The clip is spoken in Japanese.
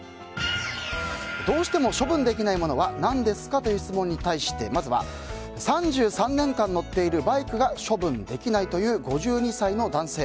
どうしても処分できないものは何ですかという質問に対してまずは、３３年間乗っているバイクが処分できないという５２歳の男性。